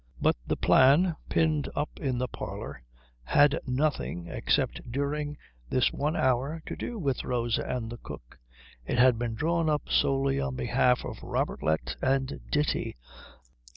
But the plan pinned up in the parlour had nothing, except during this one hour, to do with Rosa and the cook; it had been drawn up solely on behalf of Robertlet and Ditti.